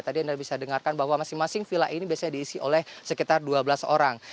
tadi anda bisa dengarkan bahwa masing masing villa ini biasanya diisi oleh sekitar dua belas orang